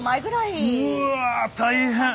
うわ大変。